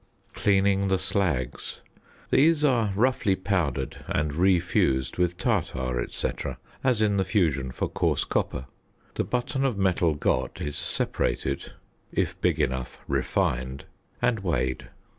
~Cleaning the Slags.~ These are roughly powdered and re fused with tartar, etc., as in the fusion for coarse copper. The button of metal got is separated (if big enough refined) and weighed.